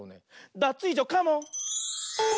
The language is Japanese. ダツイージョカモン！